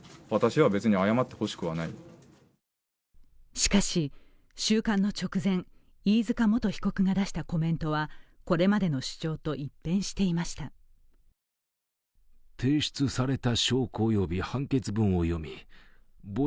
しかし、収監の直前、飯塚元被告が出したコメントはこれまでの主張と一変していました。